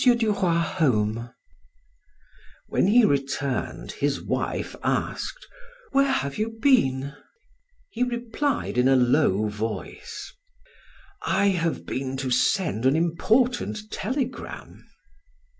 du Roy home." When he returned, his wife asked: "Where have you been?" He replied in a low voice: "I have been to send an important telegram."